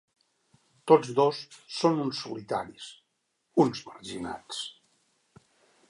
Tots dos són uns solitaris, uns marginats.